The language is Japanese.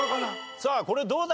さあこれどうだ？